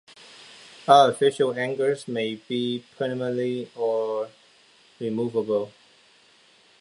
Artificial anchors may be permanent or removable.